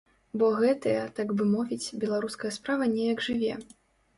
Бо гэтая, так бы мовіць, беларуская справа неяк жыве.